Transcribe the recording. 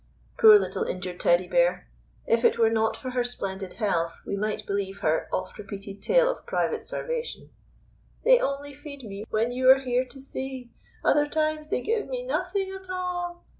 Poor little injured Teddy bear! If it were not for her splendid health we might believe her oft repeated tale of private starvation. "They only feed me when you are here to see! Other times they give me nothing at all!"